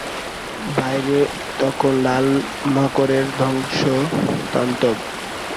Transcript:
বাইরে তখন লাল মড়কের ধ্বংসতাণ্ডব!